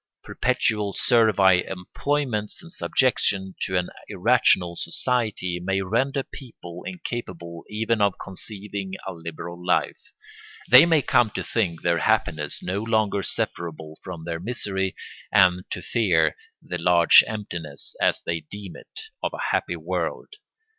Perpetual servile employments and subjection to an irrational society may render people incapable even of conceiving a liberal life. They may come to think their happiness no longer separable from their misery and to fear the large emptiness, as they deem it, of a happy world.